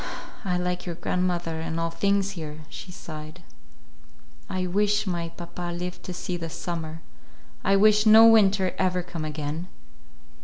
"I like your grandmother, and all things here," she sighed. "I wish my papa live to see this summer. I wish no winter ever come again."